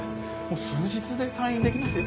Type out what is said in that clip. もう数日で退院できますよ。